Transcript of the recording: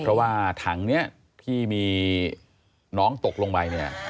เพราะว่าถังนี้ที่มีน้องตกลงไปเนี่ย